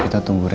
kita tunggu dia